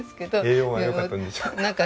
栄養が良かったんでしょうか。